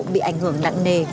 bị ảnh hưởng nặng nề